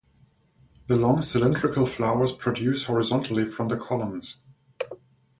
The long cylindrical flowers protrude horizontally from the columns.